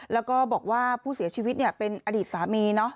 แล้วก็บอกว่าผู้เสียชีวิตเป็นอดีตสามี